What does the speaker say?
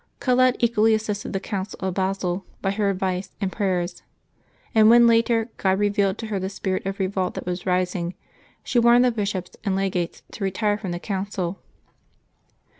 Colette equally assisted the Council of Basle by her advice and prayers; and when, later, God revealed to her the spirit of revolt that was rising, she warned the bishops and legates to retire from the council.